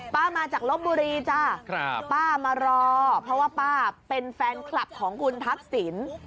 ป้ามาจากลบบุรีจ้ะป้ามารอเพราะว่าป้าเป็นแฟนคลับของคุณทักษิณ